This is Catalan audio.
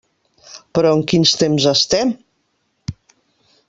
Però en quins temps estem?